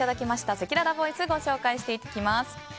せきららボイスご紹介します。